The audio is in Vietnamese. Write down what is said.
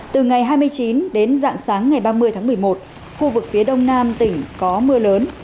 từ ngày hai mươi chín đến dạng sáng ngày ba mươi tháng một mươi một khu vực phía đông nam tỉnh có mưa lớn